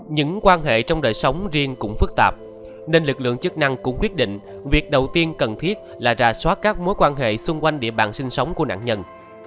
những quan hệ trong đời sống riêng cũng phức tạp nên lực lượng chức năng cũng quyết định việc đầu tiên cần thiết là ra soát các mối quan hệ xung quanh địa bàn sinh sống của nạn nhân